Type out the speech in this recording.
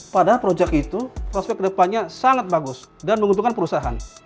padahal project itu prospek ke depannya sangat bagus dan menguntungkan perusahaan